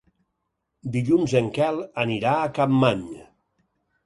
Dilluns en Quel anirà a Capmany.